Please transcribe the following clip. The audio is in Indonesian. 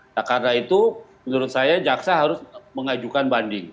nah karena itu menurut saya jaksa harus mengajukan banding